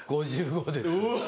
５５です。